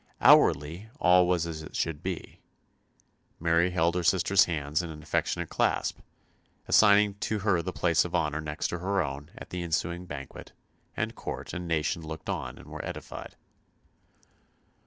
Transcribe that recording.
Outwardly all was as it should be. Mary held her sister's hand in an affectionate clasp, assigning to her the place of honour next her own at the ensuing banquet, and court and nation looked on and were edified.